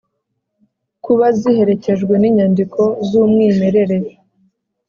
kuba ziherekejwe n inyandiko z umwimerere